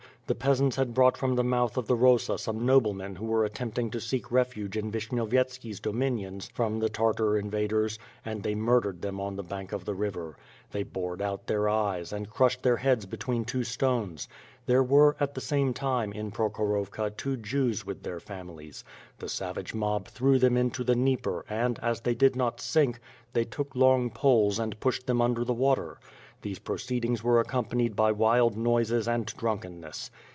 The peasants had brought from the mouth of the Rosa some noblemen who w^ere attempting to seek refuge in Vishnyovyetski's dominions from the Tartar invaders, and they murdered them on the bank of the river. They bored out their eyes, and crushed their heads between two stones. There were, at that time, in Prokhorovka two Jews with their families. The savage mob threw them into the Dnieper and, as they did not sink, they took long poles and pushed them under the water. These proceedings were accompanied by wild noises and drunkenness.